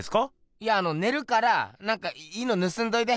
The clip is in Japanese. いやあのねるからなんかいいのぬすんどいて！